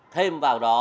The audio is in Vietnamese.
thêm vào đó